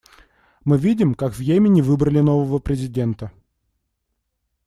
Мы видим, как в Йемене выбрали нового президента.